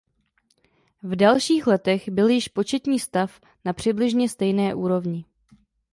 V dalších letech byl již početní stav na přibližně stejné úrovni.